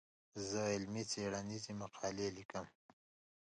زه علمي څېړنيزه مقاله ليکم.